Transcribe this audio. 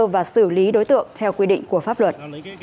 và xử lý đối tượng theo quy định của pháp luật